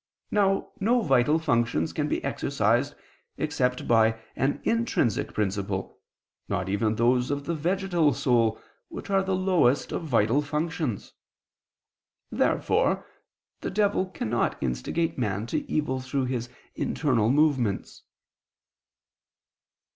Now no vital functions can be exercised except by an intrinsic principle, not even those of the vegetal soul, which are the lowest of vital functions. Therefore the devil cannot instigate man to evil through his internal movements.